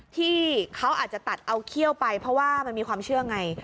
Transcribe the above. ที่เขาอาจจะตัดเอาเขี้ยวไปเพราะว่ามันมีความเชื่อไง